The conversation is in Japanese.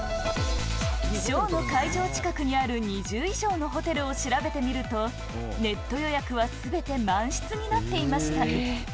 ショーの会場近くにある２０以上のホテルを調べてみると、ネット予約はすべて満室になっていました。